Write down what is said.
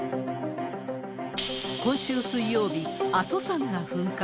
今週水曜日、阿蘇山が噴火。